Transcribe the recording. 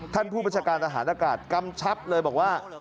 ท่านผู้ประชาการอาหารอากาศกำชับเลยบอกว่า